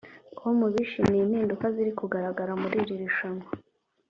com bishimiye impinduka ziri kugaragara muri iri rushanwa